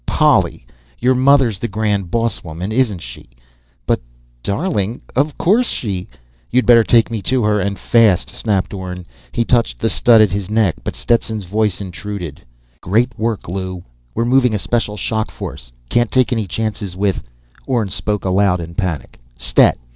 _ Polly! Your mother's the grand boss woman, isn't she?" "But, darling ... of course. She " "You'd better take me to her and fast!" snapped Orne. He touched the stud at his neck, but Stetson's voice intruded. "Great work, Lew! We're moving in a special shock force. Can't take any chances with " Orne spoke aloud in panic: _"Stet!